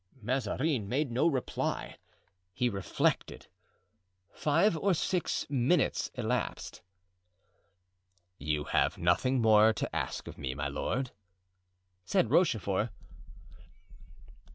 Mazarin made no reply; he reflected. Five or six minutes elapsed. "You have nothing more to ask of me, my lord?" said Rochefort.